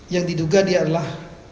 yang diduga dia adalah